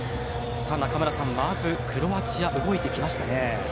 中村さん、まずクロアチア動いてきましたね。